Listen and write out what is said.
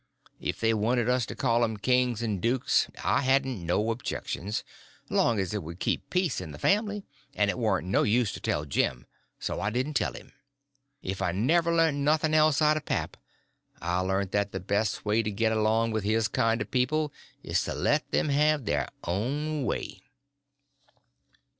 If they wanted us to call them kings and dukes, I hadn't no objections, 'long as it would keep peace in the family; and it warn't no use to tell Jim, so I didn't tell him. If I never learnt nothing else out of pap, I learnt that the best way to get along with his kind of people is to let them have their own way.